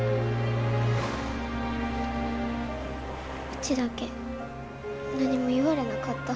うちだけ何も言われなかった。